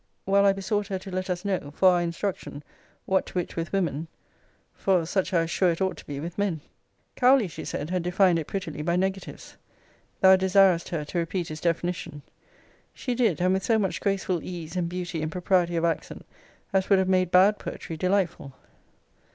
While I besought her to let us know, for our instruction, what wit with women: for such I was sure it ought to be with men. Cowley, she said, had defined it prettily by negatives. Thou desiredst her to repeat his definition. She did; and with so much graceful ease, and beauty, and propriety of accent, as would have made bad poetry delightful.